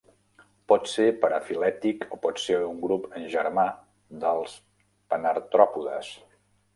Pot ser parafilètic o pot ser un grup germà dels panartròpodes.